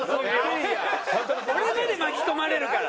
俺まで巻き込まれるから。